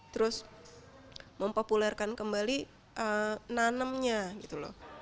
terus mempopulerkan kembali nanemnya gitu loh